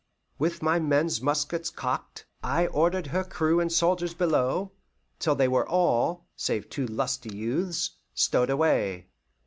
With my men's muskets cocked, I ordered her crew and soldiers below, till they were all, save two lusty youths, stowed away.